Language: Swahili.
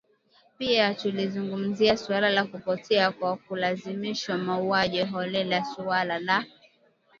Pia tulizungumzia suala la kupotea kwa kulazimishwa mauaji holela suala la